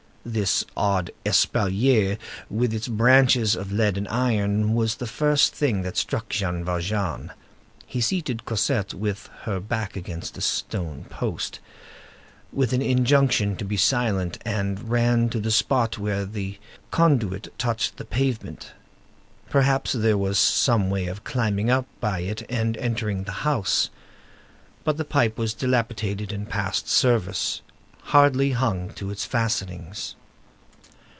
This odd espalier, with its branches of lead and iron, was the first thing that struck Jean Valjean. He seated Cosette with her back against a stone post, with an injunction to be silent, and ran to the spot where the conduit touched the pavement. Perhaps there was some way of climbing up by it and entering the house. But the pipe was dilapidated and past service, and hardly hung to its fastenings.